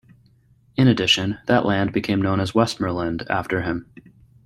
In addition, that land became known as Westmorland after him.